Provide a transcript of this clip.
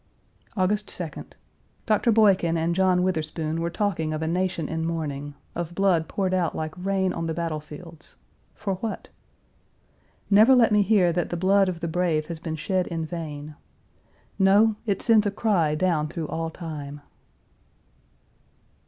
...................................... August 2d. Dr. Boykin and John Witherspoon were talking of a nation in mourning, of blood poured out like rain on the battle fields for what? "Never let me hear that the blood of the brave has been shed in vain! No; it sends a cry down through all time."